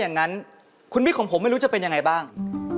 อย่างนั้นคุณมิกของผมไม่รู้จะเป็นยังไงบ้าง